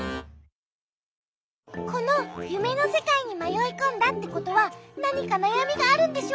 このゆめのせかいにまよいこんだってことはなにかなやみがあるんでしょ？